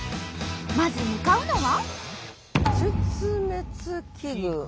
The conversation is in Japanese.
まず向かうのは。